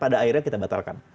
pada akhirnya kita batalkan